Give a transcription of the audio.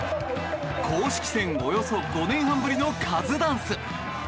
公式戦およそ５年半ぶりのカズダンス。